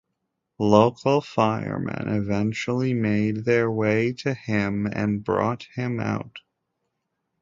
Local firemen eventually made their way to him and brought him out.